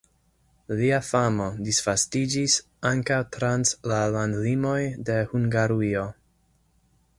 Lia famo disvastiĝis ankaŭ trans la landlimoj de Hungarujo.